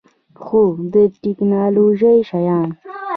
هو، د تکنالوژۍ شیان